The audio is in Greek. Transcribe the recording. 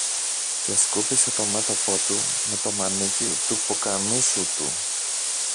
και σκούπισε το μέτωπο του με το μανίκι του ποκαμίσου του